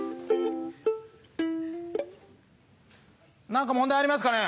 何か問題ありますかね？